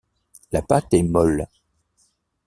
La pâte est molle.